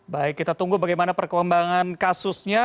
baik kita tunggu bagaimana perkembangan kasusnya